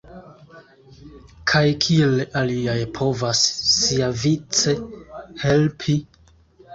Kaj kiel aliaj povas, siavice, helpi?